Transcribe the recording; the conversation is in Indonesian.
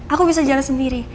aku bisa jalan sendiri